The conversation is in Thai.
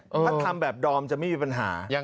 ถ้าทำแบบดอมจะไม่มีปัญหา